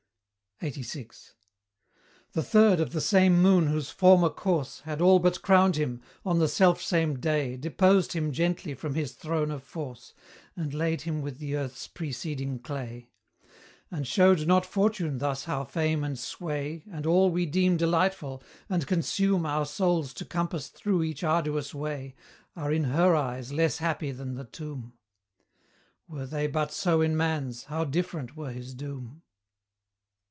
LXXXVI. The third of the same moon whose former course Had all but crowned him, on the self same day Deposed him gently from his throne of force, And laid him with the earth's preceding clay. And showed not Fortune thus how fame and sway, And all we deem delightful, and consume Our souls to compass through each arduous way, Are in her eyes less happy than the tomb? Were they but so in man's, how different were his doom!